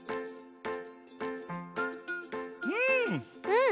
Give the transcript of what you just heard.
うん！